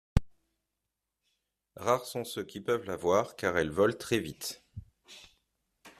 Rares sont ceux qui peuvent la voir, car elle vole très vite.